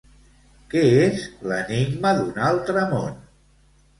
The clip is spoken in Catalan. Què és "L'enigma d'un altre món"?